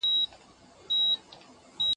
زه کولای سم درسونه اورم!؟